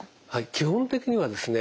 基本的にはですね